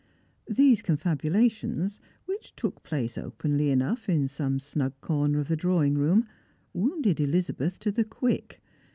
These confabulations, which took place openly enough in some snug corner of the drawing room, wounded Elizabeth to the quick.